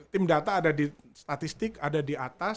tim data ada di statistik ada di atas